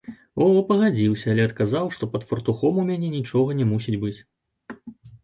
Вова пагадзіўся, але адказаў, што пад фартухом у мяне нічога не мусіць быць.